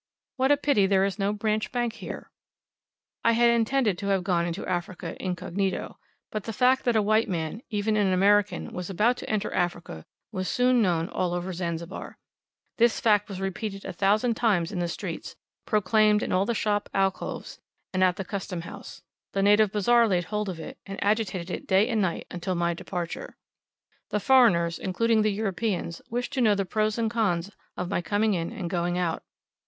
What a pity there is no branch bank here! I had intended to have gone into Africa incognito. But the fact that a white man, even an American, was about to enter Africa was soon known all over Zanzibar. This fact was repeated a thousand times in the streets, proclaimed in all shop alcoves, and at the custom house. The native bazaar laid hold of it, and agitated it day and night until my departure. The foreigners, including the Europeans, wished to know the pros and cons of my coming in and going out.